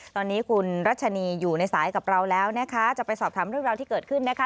ตอนนี้คุณรัชนีอยู่ในสายกับเราแล้วนะคะจะไปสอบถามเรื่องราวที่เกิดขึ้นนะคะ